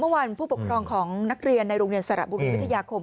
วันผู้ปกครองของนักเรียนในโรงเรียนสระบุรีวิทยาคม